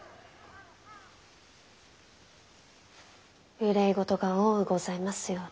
憂い事が多うございますようで。